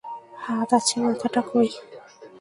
হাত আছে মাথাটা কই।